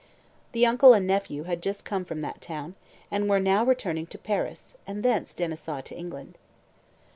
The uncle and nephew had just come from that town, and were now returning to Paris, and thence, Denys thought, to England.